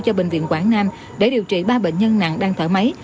cho bệnh viện quảng nam để điều trị ba bệnh nhân nặng đang thở máy